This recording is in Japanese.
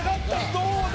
どうだ？